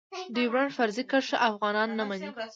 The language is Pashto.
ډيورنډ فرضي کرښه افغانان نه منی.